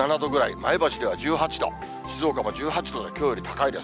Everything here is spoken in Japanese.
前橋では１８度、静岡も１８度できょうより高いです。